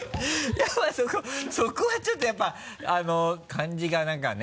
やっぱそこはちょっとやっぱ感じが何かね